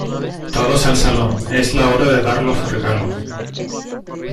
Todos al salón. Es la hora de dar los regalos .